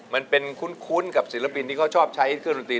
มันเป็นคุ้นกับศิลปินที่เขาชอบใช้เครื่องดนตรี